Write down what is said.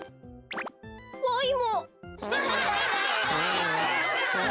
わいも。